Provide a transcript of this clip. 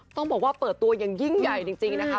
ต้องบอกว่าเปิดตัวอย่างยิ่งใหญ่จริงนะคะ